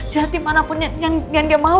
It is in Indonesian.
jahat dimanapun yang dia mau